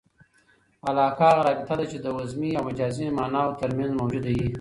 علاقه هغه رابطه ده، چي د وضمي او مجازي ماناوو ترمنځ موجوده يي.